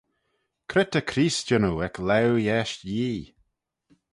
Cre ta Creest jannoo ec laue yesh Yee?